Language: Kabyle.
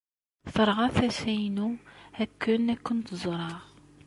Terɣa tasa-inu akken ad kent-ẓreɣ.